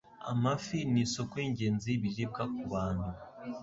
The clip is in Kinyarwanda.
Amafi nisoko yingenzi yibiribwa kubantu.